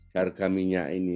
harga minyak ini